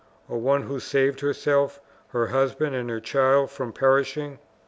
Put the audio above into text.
of one who saved herself, her husband, and her child from perishing!